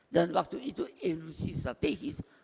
dan waktu itu industri strategis